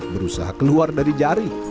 berusaha keluar dari jaring